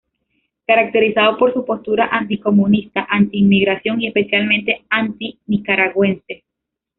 Caracterizado por su postura anticomunista, anti-inmigración y, especialmente, anti-nicaragüenses.